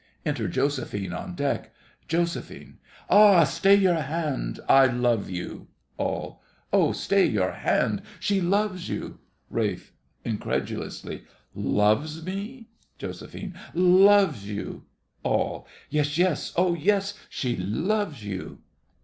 Enter JOSEPHINE on deck JOS. Ah! stay your hand—I love you! ALL. Ah! stay your hand—she loves you! RALPH. (incredulously). Loves me? JOS. Loves you! ALL. Yes, yes—ah, yes,—she loves you!